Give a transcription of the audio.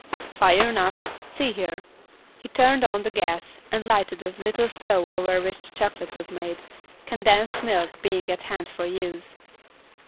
"Fire enough. See here." He turned on the gas, and lighted a little stove over which the chocolate was made, condensed milk being at hand for use.